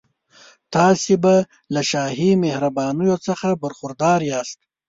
تاسي به له شاهي مهربانیو څخه برخوردار یاست.